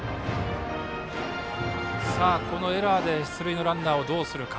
このエラーで出塁のランナーをどうするか。